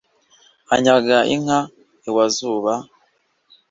anyaga inka iwa zuba,